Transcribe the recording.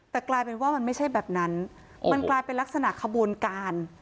แต่กลายเป็นว่ามันไม่ใช่แบบนั้นมันกลายเป็นลักษณะขบวนการ